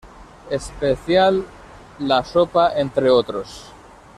Special", "La Sopa", entre otros.